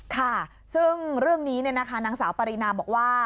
ค่ะซึ่งเรื่องนี้นางสาวปรินาบอกว่า